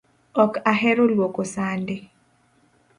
Ok ahero luoko sande